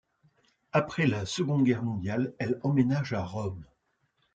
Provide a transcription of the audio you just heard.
Après la Seconde Guerre mondiale, elle emménage à Rome.